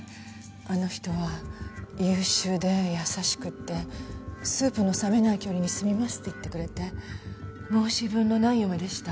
あの人は優秀で優しくてスープの冷めない距離に住みますって言ってくれて申し分のない嫁でした。